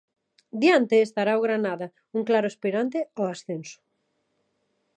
Diante estará o Granada, un claro aspirante ao ascenso.